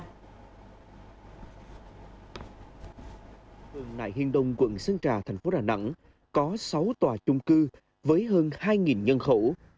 trường nại hiên đông quận sơn trà tp đà nẵng có sáu tòa trung cư với hơn hai nhân khẩu